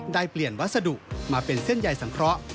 ได้เปลี่ยนวัสดุมาเป็นเส้นใยสังเคราะห์